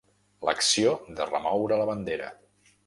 L'acció de remoure la bandera.